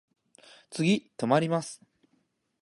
次止まります。